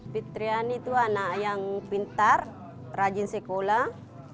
fitriani itu anak yang pintar rajin sekolah